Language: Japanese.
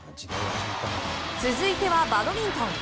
続いてはバドミントン。